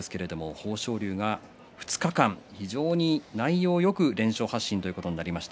豊昇龍は２日間非常に内容よく連勝発進となりました。